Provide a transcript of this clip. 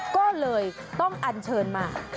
ก็เลยต้องอันเชิญมา